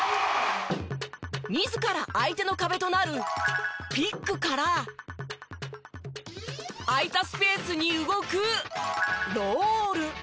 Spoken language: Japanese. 自ら相手の壁となるピックから空いたスペースに動くロール。